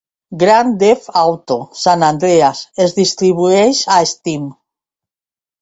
"Grand Theft Auto: San Andreas" es distribueix a Steam.